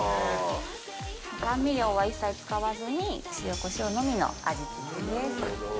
甘味料は一切使わずに塩こしょうのみの味付けです。